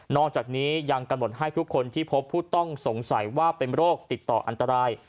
จากนี้ยังกำหนดให้ทุกคนที่พบผู้ต้องสงสัยว่าเป็นโรคติดต่ออันตราย